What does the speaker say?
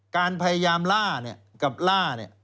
การพยายามล่ากับล่า